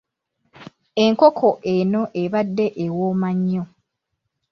Enkoko eno ebadde ewooma nnyo.